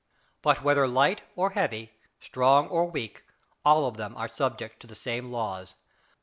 But whether light or heavy, strong or weak, all of them are subject to the same laws.